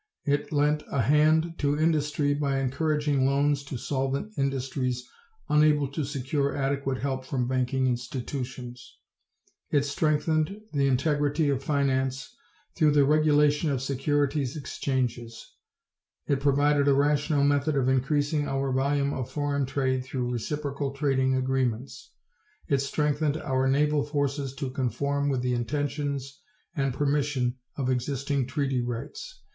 It lent a hand to industry by encouraging loans to solvent industries unable to secure adequate help from banking institutions. It strengthened the integrity of finance through the regulation of securities exchanges. It provided a rational method of increasing our volume of foreign trade through reciprocal trading agreements. It strengthened our naval forces to conform with the intentions and permission of existing treaty rights.